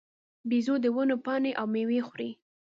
بیزو د ونو پاڼې او مېوې خوري.